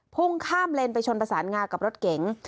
พุ่งข้ามเลนไปชนประสานงากับรถเก๋ง